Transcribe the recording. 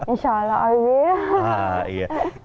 insyaallah i will